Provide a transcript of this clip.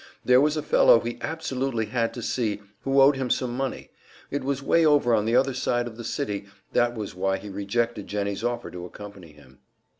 There was a fellow he absolutely had to see, who owed him some money; it was way over on the other side of the city that was why he rejected Jennie's offer to accompany him.